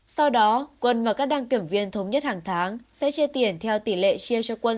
sau đó quân và các đăng kiểm viên thống nhất hàng tháng sẽ chia tiền theo tỷ lệ chia cho quân